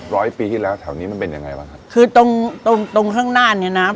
ร้อยปีที่แล้วแถวนี้มันเป็นยังไงบ้างครับคือตรงตรงตรงข้างหน้าเนี้ยนะ